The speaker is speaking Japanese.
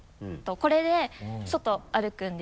これで外歩くんですよ。